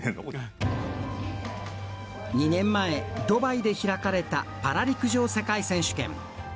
２年前、ドバイで開かれたパラ陸上世界選手権。